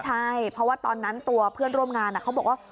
ใช่เพราะว่าตอนนั้นตัวเพื่อนร่วมงานเขาบอกว่า